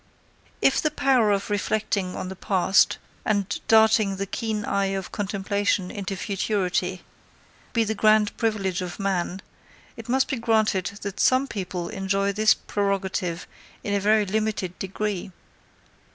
If the power of reflecting on the past, and darting the keen eye of contemplation into futurity, be the grand privilege of man, it must be granted that some people enjoy this prerogative in a very limited degree.